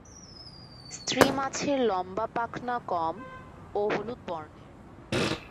স্ত্রী মাছের লম্বা পাখনা কম ও হলুদ বর্নের।